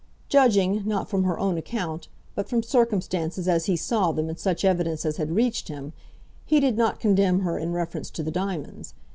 Judging, not from her own account, but from circumstances as he saw them and such evidence as had reached him, he did not condemn her in reference to the diamonds.